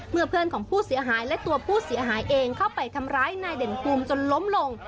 เพื่อนของผู้เสียหายและตัวผู้เสียหายเองเข้าไปทำร้ายนายเด่นภูมิจนล้มลง